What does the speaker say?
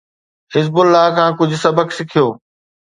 حزب الله کان ڪجھ سبق سکيو.